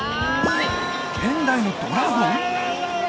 現代のドラゴン！？